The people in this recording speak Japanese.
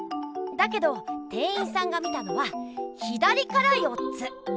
だけど店員さんが見たのは「ひだりから４つ」。